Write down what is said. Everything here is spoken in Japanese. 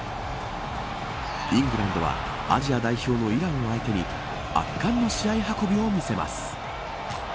イングランドはアジア代表のイランを相手に圧巻の試合運びを見せます。